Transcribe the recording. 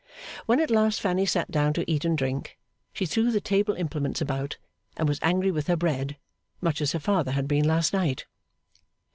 When at last Fanny sat down to eat and drink, she threw the table implements about and was angry with her bread, much as her father had been last night.